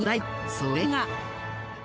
それが。